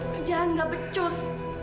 perjalanan gak becus